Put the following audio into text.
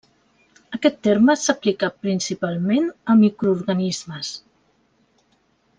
Aquest terme s'aplica principalment a microorganismes.